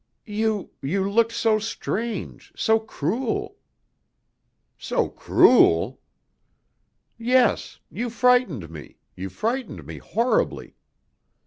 "You you looked so strange, so cruel." "So cruel!" "Yes. You frightened me you frightened me horribly."